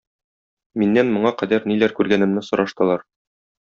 Миннән моңар кадәр ниләр күргәнемне сораштылар.